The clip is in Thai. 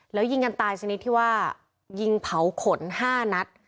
แล้วยิงกันตายชนิดที่ว่ายิงเผาขน๕นัด